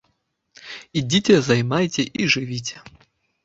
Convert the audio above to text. Ідзіце, займайце і жывіце.